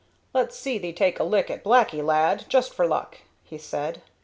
"Let's see thee take a lick at 'Blacky,' lad, just for luck," he said.